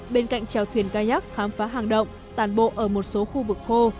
bên cạnh treo thuyền kayak khám phá hang động tàn bộ ở một số khu vực khô